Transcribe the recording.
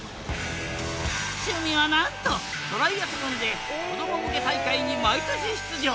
趣味はなんとトライアスロンで子ども向け大会に毎年出場。